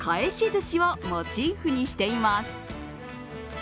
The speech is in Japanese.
寿司をモチーフにしています。